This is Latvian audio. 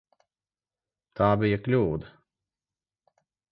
Tā bija kļūda.